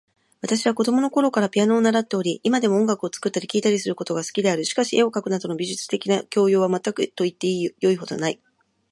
私は子供のころからピアノを習っており、今でも音楽を作ったり聴いたりすることが好きである。しかし、絵を描くなどの美術的な教養は全くと言ってよいほどない。